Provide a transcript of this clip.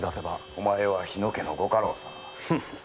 お前は日野家のご家老様。